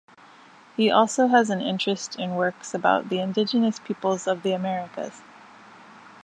He also has an interest in works about the indigenous peoples of the Americas.